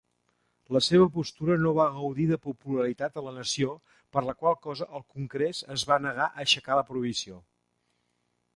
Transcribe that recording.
La seva postura no va gaudir de popularitat a la nació, per la qual cosa el congrés es va negar a aixecar la prohibició.